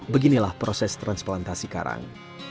beginilah proses transplantasi karang